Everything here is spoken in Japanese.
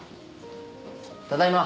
ただいま。